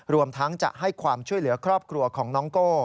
รวมทั้งจะให้ความช่วยเหลือครอบครัวของน้องโก้